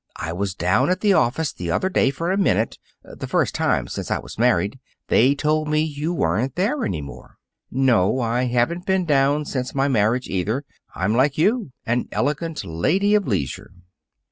I was down at the office the other day for a minute the first time since I was married. They told me you weren't there any more." "No; I haven't been down since my marriage either. I'm like you an elegant lady of leisure."